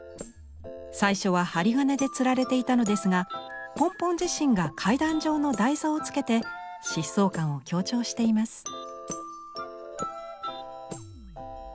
最初は針金でつられていたのですがポンポン自身が階段状の台座を付けて疾走感を強調しています。